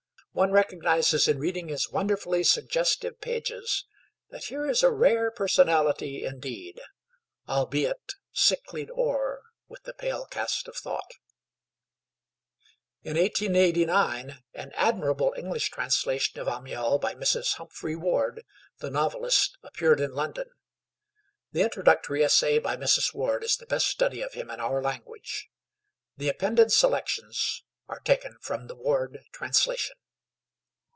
One recognizes in reading his wonderfully suggestive pages that here is a rare personality, indeed, albeit "sicklied o'er with the pale cast of thought." In 1889 an admirable English translation of Amiel by Mrs. Humphry Ward, the novelist, appeared in London. The introductory essay by Mrs. Ward is the best study of him in our language. The appended selections are taken from the Ward translation.